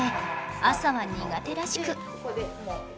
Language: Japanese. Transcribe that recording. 朝は苦手らしく